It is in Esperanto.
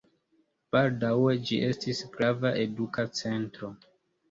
Baldaŭe ĝi estis grava eduka centro.